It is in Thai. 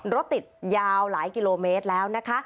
รถติดยาวหลายกิโลเมตรแล้วนะคะ